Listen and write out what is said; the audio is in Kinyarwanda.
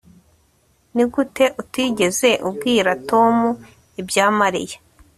Nigute utigeze ubwira Tom ibya Mariya